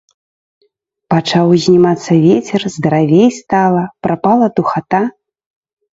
Пачаў узнімацца вецер, здаравей стала, прапала духата.